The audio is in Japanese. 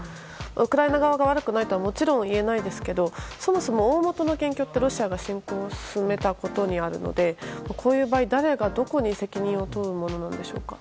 ウクライナ側が悪くないとはもちろん言えないですがそもそも、おおもとの元凶はロシアが侵攻を進めたことにあるのでこういう場合、誰がどこに責任を問うものなんでしょうか。